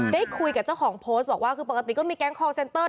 ได้คุยกับเจ้าของโพสต์บอกว่าคือปกติก็มีแก๊งคอลเซนเตอร์